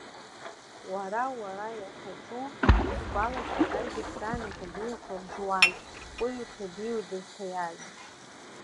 Уара, уара уахьаҿу, исгәалашәоит, аибашьраан аҭабиақәа ржуан, кәиу ҭабиоу дызҭаиаз?